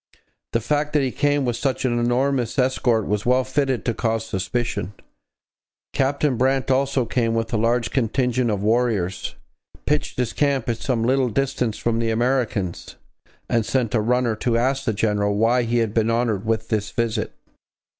The fact that he came with such a numerous escort was well fitted to cause suspicion. Captain Brant also came with a large contingent of warriors, pitched his camp at some little distance from the Americans, and sent a runner to ask the general why he had been honoured with this visit.